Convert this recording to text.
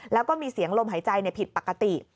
แล้วก็มีเสียงลมหายใจผิดปกติ